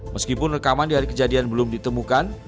meskipun rekaman dari kejadian belum ditemukan